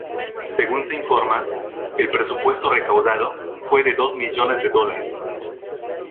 Según se informa, el presupuesto recaudado fue de dos millones de dólares.